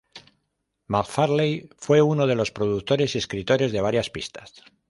MacFarlane fue uno de los productores y escritores de varias pistas.